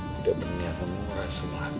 sudah berniaga menguras semua harta